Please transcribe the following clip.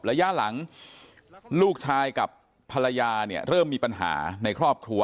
ระยะหลังลูกชายกับภรรยาเนี่ยเริ่มมีปัญหาในครอบครัว